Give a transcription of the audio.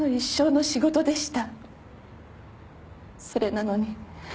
それなのに。